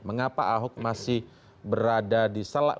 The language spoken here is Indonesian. mengapa ahok masih berada di salah